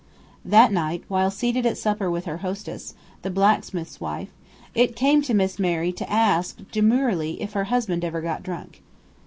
That night, while seated at supper with her hostess, the blacksmith's wife, it came to Miss Mary to ask, demurely, if her husband ever got drunk.